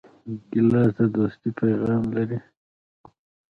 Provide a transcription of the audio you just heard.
ګیلاس د دوستۍ پیغام لري.